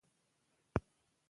زما هېله له تاسو څخه دا ده.